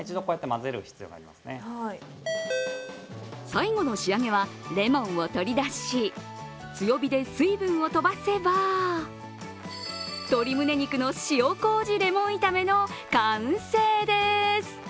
最後の仕上げは、レモンを取り出し、強火で水分を飛ばせば鶏むね肉の塩こうじレモン炒めの完成です。